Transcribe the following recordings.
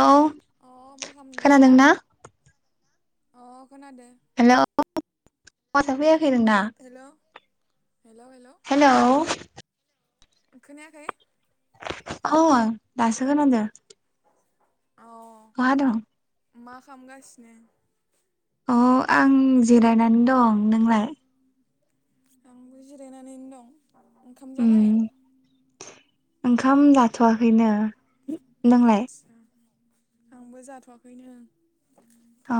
औ अ मा खामदो खोनादोंना अ खोनादो। हेलौ माथो फैया खैरोना हेल' हेल' हेल' हेलौ खोनायाखै खौआ दासो खोनादो औ बहा दं मा खामगासिनो अ आं जिरायनानै दं नोंलाय आंबो जिरायनानैनो दं ओंखाम उम जाबाय ओंखाम जाथ'वाखैनो नोंलाय आदसा आंबो जाथ'वाखैनो अ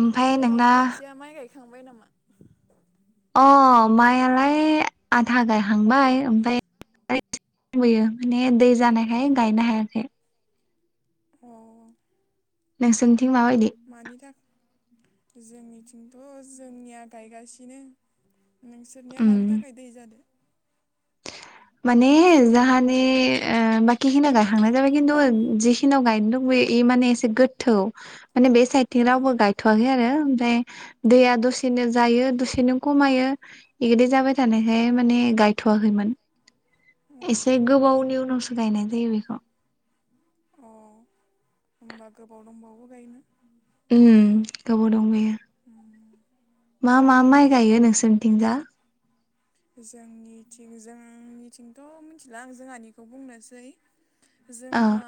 ओमफ्राय न'फोराव नोंना खोथिया माइ गायखांबाय नामा अ मायालाय आधा गायखांबाय ओमफाय दंबोयो माने दै जानायखाय गायनो हायाखै अ नोंसोरनिथिं माबायदि मानि थाखाय जोंनिथिंथ' जोंनिया गायगासिनो नोंसोरनिया मानि उम थाखाय दै जादो। माने जाहानि ओ बाकि खिनियाव गायखांनाय जाबाय खिन्थु जिखिनियाव गायनो दंबोयो इ माने एसे गोथौ माने बे साइदथिं अ रावबो गायथ'वाखै आरो। ओमफ्राय दैया दसेनो जायो दसेनो खमायो बिबायदि जाबाय थानायखाय माने जायथवाखैमोन अ एसे गोबावनि उनावसो गायनाय जायो बेखौ अ होनबा गोबाव दंबावो गायोन उ गोबाव दं बेयो उम मा मा माइ गायो नोंसोरनिथिंजा जोंनिथिं जोंनिथिंथ मिथिला आं जोंहानिखौ बुंनोसै अ जोंहा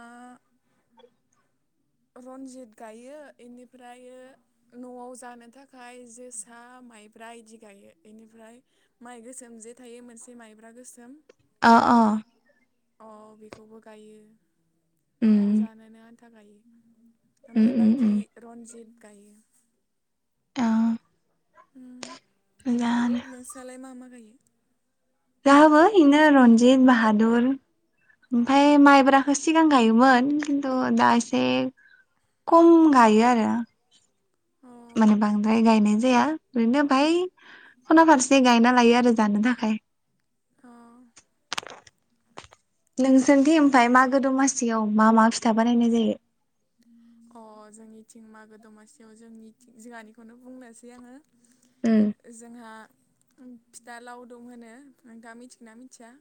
रनजित गायो बेनिफ्र नआव जानो थाखाय जोसा माइब्रा इदि गायो बेनिफ्राय माइ गोसोम जे थायो मोनसे माइब्रा गोसोम अ अ औ बेखौबो गायो उम नआव जानोनो आन्था गायो। उम ओमफफ्राय उम बाखि उम रन्जित गायो। आ नोंस्रलाय मा मा गायो। जाहो बिनो रन्जित बाहादुर औ ओमफाय माइब्राखोसो सिगां गायोमोन खिन्थु दा एसे खम गायो आरो अ माने बांद्राय गायनाय जाया ओरैनो बाहाय खना फारसे गायना लायो आरो जानो थाखाय। द द नोंसोरदि ओमफाय मागो दमासियाव मा मा फिथा बानायनाय जायो। अ जोंनि थिं मागो दमासियाव जोंनि जिहानिखौनो बुंनोसै आङो उम जोंहा फिथा लाव दं होनो दा मिथिगोन ना मिथिया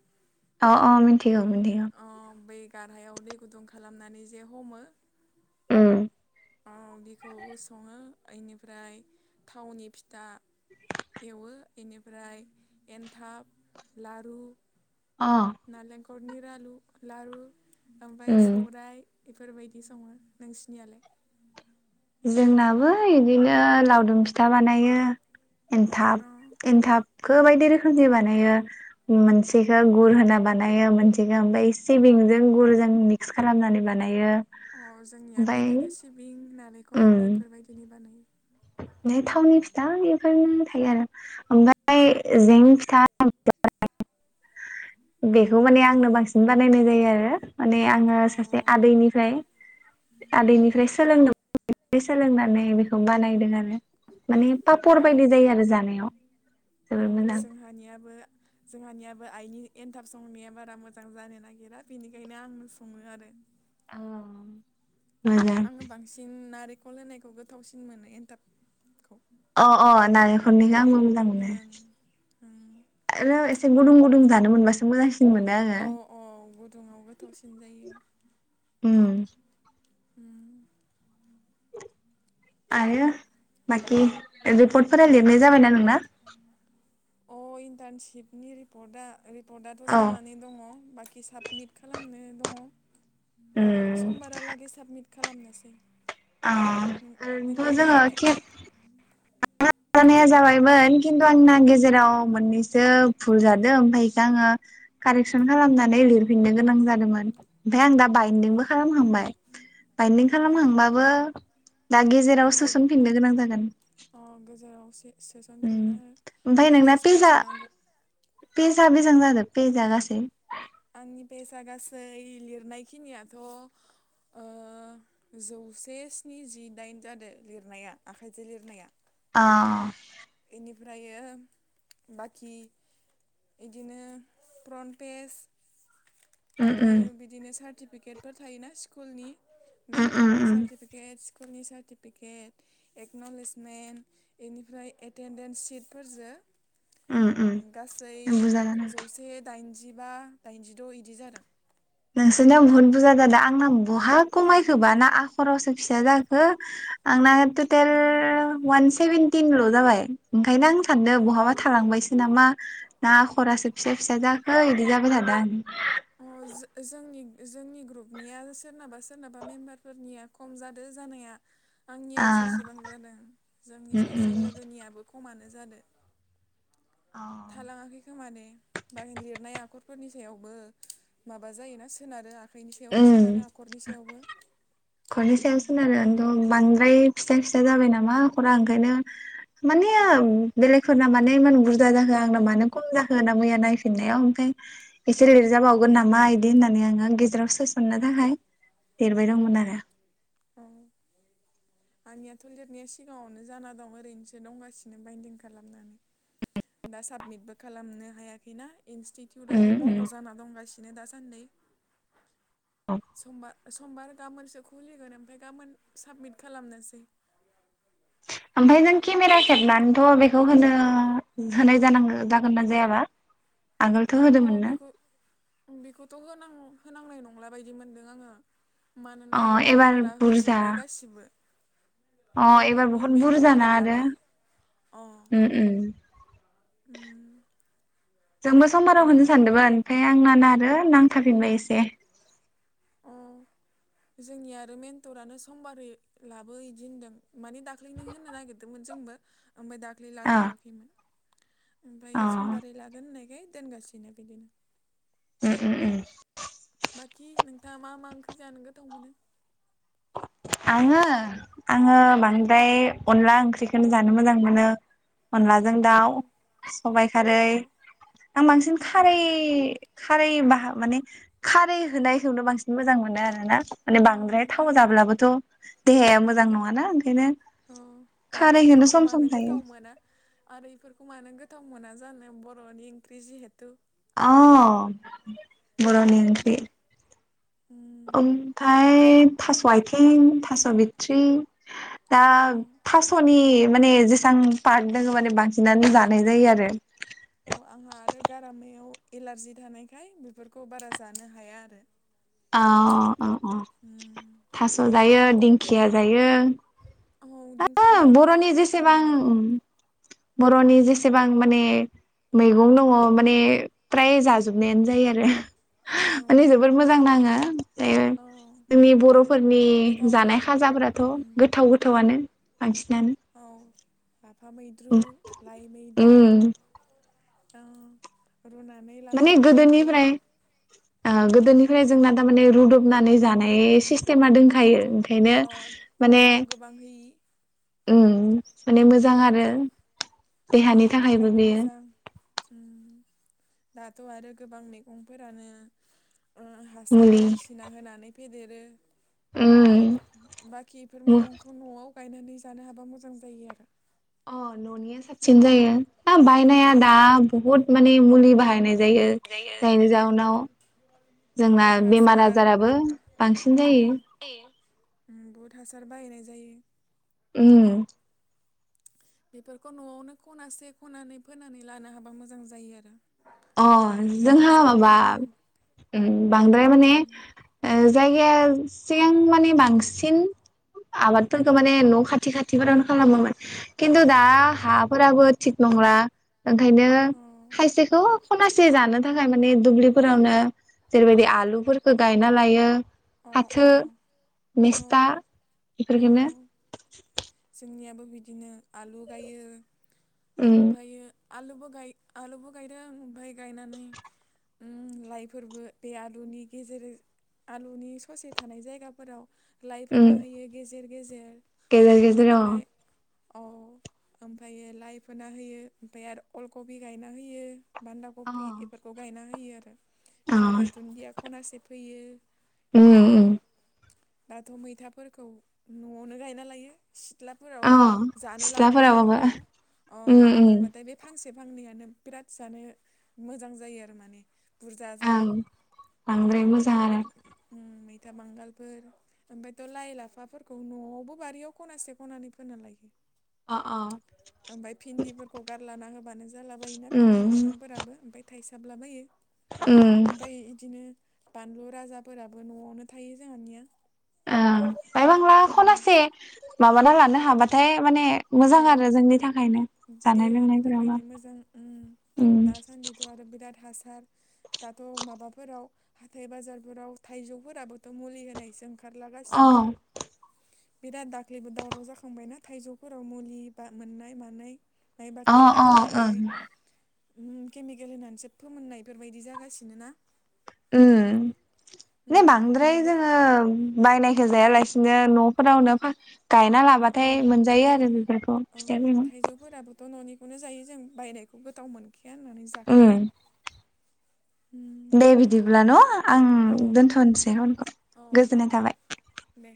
अ अ मिनथिगौ मिनथिगौ। अ बै गारहायाव दै गुदुं खालामनानै जे हमो ओ औ बेखौबो सङो इनिफ्राय थावनि फिथा एवो बेनिफ्राय एनथाब लारु आ नखरनि लाालु लारु ओमफ्राय अ सौरायाइ बेफोरबायदि सङो नोंसिनियालाय जोंनाबो बिदिनो लावदुम फिथा बानायो अ एन्थाब एन्थाबखौ बायदि रोखोमनि बानायो मोनसेखौो गुर होना बानायो मोनसेखौ ओमफ्राय सिबिंजों गुरजों मिक्स खालामनानै बानायो अ जोंनियाबो ओमफाय इदिनो सिबिं नालेंखर बेफोरबायदिनि बानायो फ्राय थावनि फिथा बेफोरनो थायो आरो ओमफ्राय जें फिथा [inaudible] बेखौ माने आंनो बांसिन बानायनाय जायो आरो। माने आङो सासे अ आदैनिफ्राय आदैनिफ्राय अ सोलोंनो सोलोंनानै बेखौ बानायदों आरो। माने पापर बायदि अ जायो आरो जानायाव जबोर मोजां। जों आइनि एनथाब संनाया बारा मोजां जानो नागिरा बेनिखायनो आंनो सङो आरो अ आङो बांसिन नारेंखल होनायखौ गोथावसिन मोनो एन्थाबखौ अ अ नारेंखनि गा म मोजां मोनो ओं ओं आरो एसे गुदुं गुदुं जानो मोनबासो मोजांसि मोनो आङो औ औ गुदुङाव गोथावसिन जायो। उम आरो बाखि रिपर्टफोरा उम लिरनाय जाबायना नोंना अ इन्टार्नशिपनि रिपर्टआ रिपर्टआथ' औ जानानै दङ बाखि साबमिट खालामनो दङ उम समबारालागै साबमिट खालामनोसै औ नों आरोथ नोंनियालाय जाबाय जोङो जानाया जाबायमोन खिन्थु आंना गेजेराव मोननैसो भुलादो ओमफ्रायखो आङो कारेकसन अ खालामनानै लिरफिननो गोनां जादोंमोन ओमफफ्राय आं दा अ बायदिंबो खालामहांबाय बाइन्दिं अ खालामहांबाबो दा गेजेराव सोसनफिननो गोनां जागोन। जेरावसे सोसनफिनना हो आरो ओमफ्राय नोंना पेसफोर सोनांगौ मोजां जाजोब बे जा गासै आंनि फैसा गासै लिरनाय खिनियाथ' जौसे स्निजिदाइन जादों लिरनाया आखाइजों लिरनाया औ इनिफ्रायो बाखि इदिनो फ्रनपेस उम उम ओमफ्रायो बिदिनो सार्टिफिकेटफोर थायोना स्कुलनि उम उम मेनथनि उम सार्फेट फोरनि सार्टिफिकेट एकन'लेजमेन्ट एनिफ्राय एटेडेन्स सिटफोरजों उम गासै उम बुरजा जादों जौसे दाइनजिबा दाइनजिद' इदि जादों। नोंसोरनियाव बुहुत बुरजा जादों आंना बहा औ खमायखोबा ना आखरावसो फिसा जाखो आंना टेल अ वान सेभेनटिनल' जाबाय ओंखायनो आं सानदों बहाबा थालांबायसो नामा ना खरासो फिसा फ फिसा जाखो बिदि जाबाय थादा आं अ जोंनि जोंनि ग्रुपनिया सोरनाबा सोरनाबा मेम्बारफोरनिया खम जादों जानाया आंनिया आं एसेसेबां जादों जोंनि सासे लोगोनियाबो खमानो जादों। थालाङाखै खोमाने बाहि लिरनाय आखरफोरनि सायावबो माबा जायोना सोनारो आखाइनि सायावबो सोनारो आखरनि सायावबो हरनि सायाव उम सोनारोथ' बांद्राय फिसा फिसा जाबाय नामा खरा ओंखायनो माने अ बेलेग फोरनामा म इमान बुरा जाखो आंना मानो खम जाखो होन ना मैया नायफिननायाव ओमफ्राय एसे लिरजाबावगोन नामा इदि होननानै आंङो गेजेराव सोसननो थाखाय देरबाय दंमोन उम आरो औ आंनियाथ' लिरनाया सिगाङावनो जाना दं ओरैनोसो दंगासिनो बाइन्दिं खालामनानै दा साबमिटबो खालामनो हायाखैना इनस्टिटिउट उम आबो बन्द उम जाना दंगासिनो। बिदिनो दासान्दै। औ समबा समबार गाबोनसो खुलिगोन ओमफफ्राय गाबोन साबमिट खालामनोसै ओमफफ्राय नों केमेरा खेबनानैथ' बेखौ होनो होनाय जानांगौ जागोन नना जायाबा? [inaudible] आगोलथ' अ होदोंमोननो बेखौ बेखौथ' होनां होनांनाय नंला बायदि मोनदों आंङो अ मानोना एबार गुबुनफोरा बुरजा होजोब्बाय गासिबो अ एबार गुबुनफोरनि बहुत मेन्टरफोरा बुरजाना आरो लाबाय अ ओम ओम उम जोंबो समबाराव होनो होनांनाय नंला सानदोंमोन ओमफ्राय आंना नार नांथारफिनबाय एसे औ जोंनि आरो मेन्टरानो समबारै लाबो बिदि होनदों मानि दा दाख्लैनो होनो नागिरदोंमोन जोंबो ओमफफ्राय दाख्लै अ लाथ'वाखैमोन। ओमफ्रायो अ समबारै लागोन होननायखाय दोनगासिनोनो बिदिनो। उम उम उम। बाखि नोंथाङा मा मा ओंख्रि जानो गोथाव मोनो? आंङो आंङो उम बांद्राय अनला ओंख्रिखौनो जानो मोजां मोनो। अनलाजों दाउ, अ सबाइ खारै अ आं बांसिन मा खारै खारै बाहा माने खारै होनायखौनो बांसिन मोजां मोनो आरो ना। माने उम बांद्राय मा थाव जाब्ला देहाया मोजां उम नङाना ओंखायनो अ आरो खारै होनो इफोरखौ सम सम मानो जायो गोथाव मोना आरो बेफोरखौ मानो गो थाव मोना जानो? बर'नि ओंख्रि जिहेथु। अ, बर'नि उम ओंख्रि। उम ओमफाय य थास' आथिं थास' बिट्रि दा अ थास'नि माने जेसबां पार्ट दङ माने बांसिनानो जानाय जायो आरो। औ आंहा आरो गारामायाव एलारजि थानायखाय बेफोरखौ बारा जानो हाया आरो। अ औ औ उम थास' जायो दिंखिया जायो। औ आ दिंखिया मैगं बर'नि जायो गोथाव जेसेबां मोनो बर'नि जेसेबां माने मैगं दङ माने फ्राय जाजोबनायानो जायो आरो। औ माने जोबोद मोजां नाङो जे औ जोंनि बर'फोरनि गोथाव जानाय मोनो खाजाफ्राथ' उम गोथाव गोथावनो। आ औ लाफा मैद्रु, लाइ मैद्रु, उम औ रुनानै लाफा माने रुनानै गोदोनिफ्राय ओ गोदोनिफ्राय जोंना उम थारमाने रुदबनानै जानाय सिस्टेमा दोनखायो। ओंखायनो अ माने थाव गोबां होयि उम। माने उम मोजां आरो देहानि थाखायबो मोजां उम। दाथ' आरो गोबां मैगंफोरानो ओ हासार मुलि बायदिसिना होनानै फेदेरो बाखि बेफोर उम मैगंखौ न'आव बायनानै जानो हाब्ला मोजां जायो आरो। अ, न'निया साबसिन जायो। हा बायनाया दा बुहुत माने मुलि बाहायनाय जायो, ओं जायनि अ जाउनाव बहुद जोंना बहुद बेमार हासार आजाराबो बांसिन उम जायो। उम, बहुद हासार बाहायनाय जायो। उम बेफोरखौ न'आवनो खनासे खनानै फोनानै लानो हाबा मोजां जायो आरो। अ न'निफ्रायनो जोंहा जानो माबा बानो उम बांद्राय माने उम ओ जायगाया सिगां माने बांसिन आबादफोरखौ उम माने न' खाथि खा थिफोरावनो खालामोमोन। खिन्थु दा हाफोराबो थिग नंला ओंखायनो औ खायसेखौ खनासे जानो थाखाय माने दुब्लिफोरावनो जेरै बायदि आलुफोरखौ गायना लायो औ अ फाथो, औ मिस्था औ बेफोरखौनो जोंनियाबो बिदिनो आलु गायो उम ओमफायो आलुबो गाय आलुबो गायदों ओमफाय गायनानै उम लाइफोरबो बे आलुनि गेजेर आलुनि ससे थानाय जायगाफोराव लाइ उम फोना होयो गेजेर गेजेर। [unintelligible] अ, ओमफायो लाइ फोना होयो ओमफाय आरो अलकबि गायना होयो। बान्दा अ कबि इफोरखौ गायना होयो आरो। अ बेनिफ्राय दुन्दिया खनासे फोयो उम उम बेफोरबायदि। दाथ' मैथा फोरखौ न'आवनो गायना लायो। सिथ्लाफोराव अ जानो सिथ्लाफोरावबाबो लाबोनायफोरखौ अ उम गायना उम लाबाथाय बे फांसे फांनैयानो बिराद जानो मोजां जायो आरो माने। बुरजा जायो ओं बांद्राय मोजां ओमफ्राय मोन आरो ओम मै। था बांगालफोर ओमफायथ' लाइ लाफाफोरखौ न'आवबो बारियाव खनासे खनानै फोना लायो। आ आ आमफाय फिन्दिफोरखौ गारलाना होबानो जाला बायोना फिन्दि उम बिफांफोराबो ओमफाय थाइसो साबलाबायो उम ओमफाय इदिनो बानलु राजाफोराबो न'आवनो थायो जोंहानिया आ बायबांला उम खनासे माबाना लानो हाबाथाय माने मोजां आरो अ जोंनि था देहानि थाखायनो मोजां ओ उम दासान्दिथ' आरो बिराद हा सार दाथ' माबाफोराव हाथाय बाजारफोराव थाइजौफोराबोथ' मुलि होनायसो ओंखा अ खारलागासिनो। बिराद दाख्लैबो दावराव जाखांबायना थाइजौफोराव मुलि बा मोननाय मानाय अ अ ओं ओ केमिकेल होनानैसो फोमोननाय फोरबायदि जागासिनो ना? ओ उम नो बांद्राय इनिबो जोंङो बायनाय खो जायालासिनो न'फोरावनो फा गायना औ लाबाथाय मोनजायो औ आरो बेफोरखौ फिथाइफोरखौ। नो जायो जों बायनायखौ गोथाव मोनखाया होननानै उम जाखाया। उम दे बिदिब्ला न' आं औ दोनथ'नोसै पनखौ औ दे गोजोननाय दे थाबाय। दे।